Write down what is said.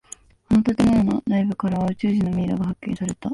あの建物の内部からは宇宙人のミイラが発見された。